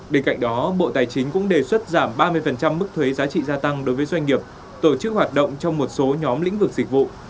bên cạnh đó bộ tài chính cũng đề xuất giảm ba mươi mức thuế giá trị gia tăng đối với doanh nghiệp tổ chức hoạt động trong một số nhóm lĩnh vực dịch vụ